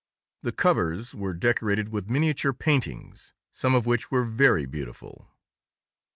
The covers were decorated with miniature paintings, some of which were very beautiful.